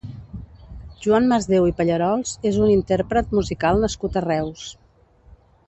Joan Masdéu i Pallarols és un intérpret musical nascut a Reus.